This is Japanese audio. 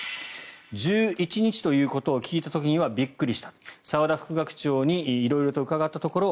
１１日ということを聞いた時にはびっくりした澤田副学長に色々と伺ったところ